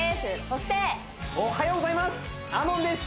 そしておはようございます